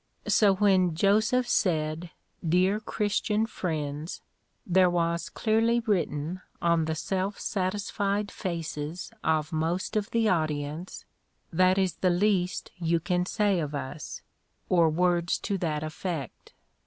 So when Joseph said, "Dear Christian friends," there was clearly written on the self satisfied faces of most of the audience, "that is the least you can say of us," or words to that effect.